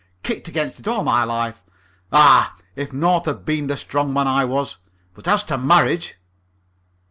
Kicked against it all my life. Ah, if North had been the strong man I was! But as to marriage....